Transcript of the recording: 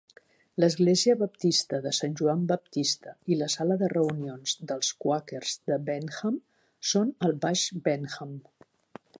L'església baptista de Sant Joan Baptista i la sala de reunions dels quàquers de Bentham són al Baix Bentham.